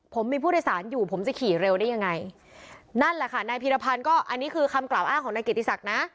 ผมมีผู้โดยสารอยู่ผมจะขี่เร็วได้ยังไงนั่นแหละค่ะนายพีรพันธ์ก็อันนี้คือคำกล่าวอ้างของนายเกียรติศักดิ์นะ